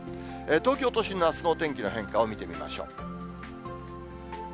東京都心のあすのお天気の変化を見てみましょう。